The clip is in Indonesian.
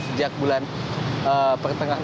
sejak bulan pertengahan